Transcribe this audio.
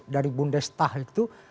dari bunde stah itu